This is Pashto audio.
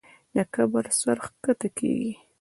د کبر سر ښکته کېږي.